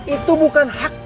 itu bukan hak kamu